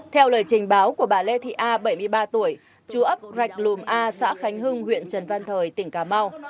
theo lời trình báo của bà lê thị a bảy mươi ba tuổi chú ấp rạch lùm a xã khánh hưng huyện trần văn thời tỉnh cà mau